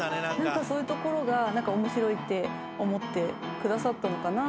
そういうところが面白いって思ってくださったのかな。